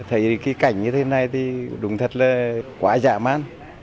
thấy cái cảnh như thế này thì đúng thật là quá giả man